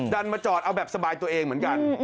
ดันมาจอดเอาแบบสบายตัวเองเหมือนกัน